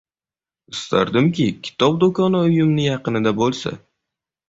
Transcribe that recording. Istardimki kitob do’koni uyimni yaqinida bo’lsa.